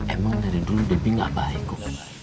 emang dari dulu debbie enggak baik kom